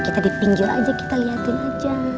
kita di pinggir aja kita lihatin aja